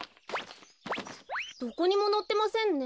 どこにものってませんね。